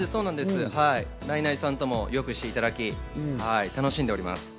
ナイナイさんにもよくしていただき、楽しんでおります。